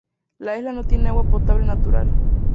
La isla no tiene agua potable natural.